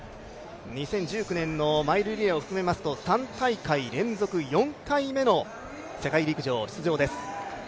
２０１９年のマイルリレーを含めますと、３大会連続、４回目の世界陸上出場です。